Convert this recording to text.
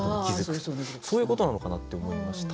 そういうことなのかなって思いました。